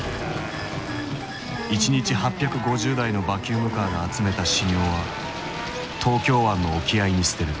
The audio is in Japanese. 一日８５０台のバキュームカーが集めたし尿は東京湾の沖合に捨てる。